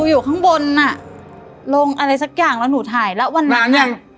อยู่ข้างบนอ่ะลงอะไรสักอย่างแล้วหนูถ่ายแล้ววันนั้นเนี่ย